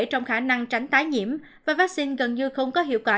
trong khả năng tránh tái nhiễm và vắc xin gần như không có hiệu quả